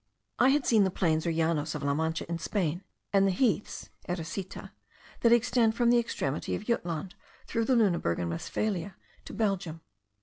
I had seen the plains or llanos of La Mancha in Spain, and the heaths (ericeta) that extend from the extremity of Jutland, through Luneburg and Westphalia, to Belgium.